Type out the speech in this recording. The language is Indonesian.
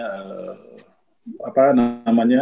saya tuh udah medan arrangan deh kayaknya